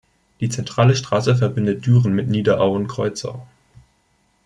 Die zentrale Straße verbindet Düren mit Niederau und Kreuzau.